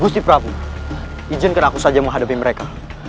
gusti prabu izinkan aku saja menghadapi mereka